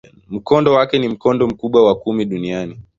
Mkondo wake ni mkondo mkubwa wa kumi duniani.